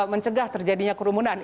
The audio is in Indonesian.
mencegah terjadinya kerumunan